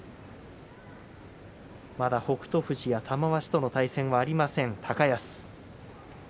まだ北勝富士玉鷲との対戦はありません高安。